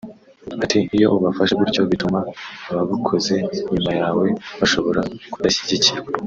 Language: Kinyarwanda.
Ati “Iyo ubafashe gutyo bituma ababukoze nyuma yawe bashobora kudashyigikirwa